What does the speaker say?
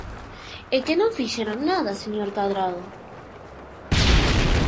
É que non fixeron nada, señor Cadrado.